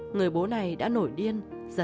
người bố này đã nổi điên